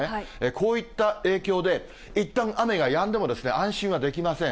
こういった影響で、いったん、雨がやんでも安心はできません。